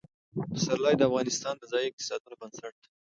پسرلی د افغانستان د ځایي اقتصادونو بنسټ دی.